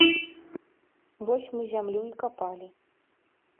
Вось мы зямлю і капалі.